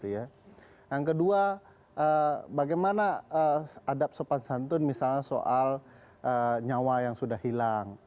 yang kedua bagaimana adab sopan santun misalnya soal nyawa yang sudah hilang